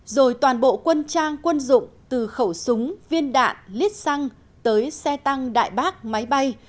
rồi toàn bộ quân trang quân dụng từ khẩu súng viên đạn lít xăng tới xe tăng đại bác máy bay